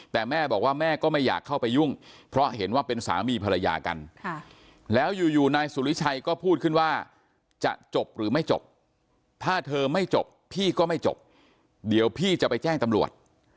แต่แม่บอกว่าแม่ก็ไม่อยากเข้าไปยุ่งเพราะเห็นว่าเป็นสามีภรรยากันแล้วอยู่นายสุริชัยก็พูดขึ้นว่าจะจบหรือไม่จบถ้าเธอไม่จบพี่ก็ไม่จบเดี๋ยวพี่จะไปแจ้งตำรวจ